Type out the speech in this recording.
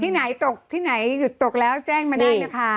ที่ไหนตกที่ไหนหยุดตกแล้วแจ้งมาได้นะคะ